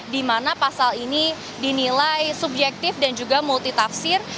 di mana pasal ini dinilai subjektif dan juga multitafsir